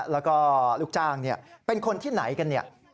แล้วก็ลูกจ้างเป็นคนที่ไหนกันเนี่ย